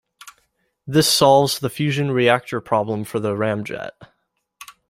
This solves the fusion reactor problem for the ramjet.